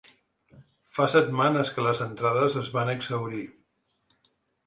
Fa setmanes que les entrades es van exhaurir.